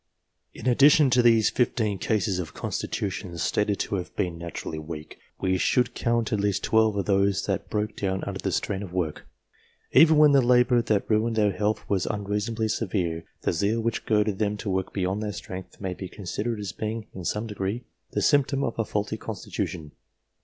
In addition to these fifteen cases of constitutions stated to have been naturally weak, we should count at least twelve of those that broke down under the strain of work. Even when the labour that ruined their health was un reasonably severe, the zeal which goaded them to work beyond their strength may be considered as being, in some degree, the symptom of a faulty constitution.